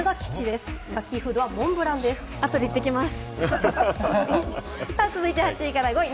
後で行ってきます。